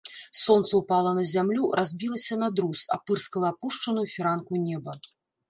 Сонца ўпала на зямлю, разбілася на друз, апырскала апушчаную фіранку неба.